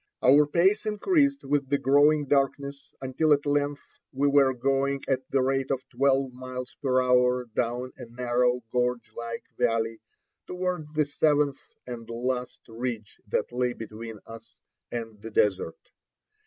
Our pace increased with the growing darkness until at length we were going at the rate of twelve miles per hour down a narrow gorge like valley toward the seventh and last ridge that lay between us and the desert.